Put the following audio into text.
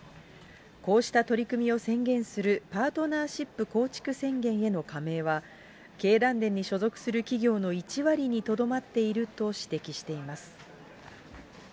こうした取り組みを宣言するパートナーシップ構築宣言への加盟は、経団連に所属する企業の１割にとどまっていると指摘しています。